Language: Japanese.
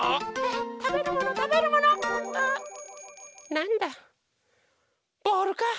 なんだボールか！